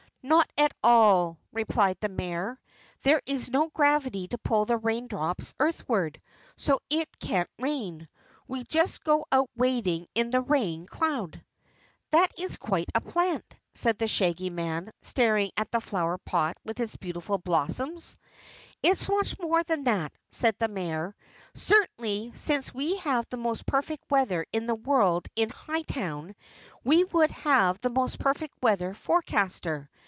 "Not at all," replied the Mayor. "There is no gravity to pull the raindrops earthward, so it can't rain. We just go out wading in the rain cloud." "That's quite a plant," said the Shaggy Man, staring at the flower pot with its beautiful blossoms. "It's much more than that," said the Mayor. "Certainly since we have the most perfect weather in the world in Hightown, we would have the most perfect weather forecaster.